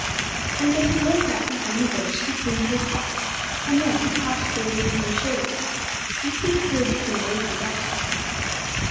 On getting close up behind the bush, he came to a halt; and then, cautiously raising his shoulders, he peeped through between the leafy branches.